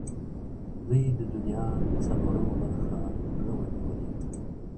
دوی د دنیا څلورمه برخه نه وه نیولې.